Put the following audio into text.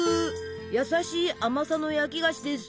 優しい甘さの焼き菓子です。